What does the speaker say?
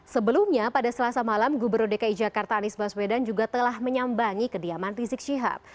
sebelumnya pada selasa malam gubernur dki jakarta anies baswedan juga telah menyambangi kediaman rizik syihab